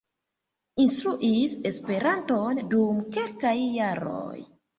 Instruis Esperanton dum kelkaj jaroj.